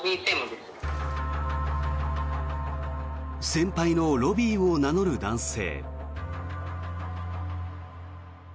先輩のロビーを名乗る男性。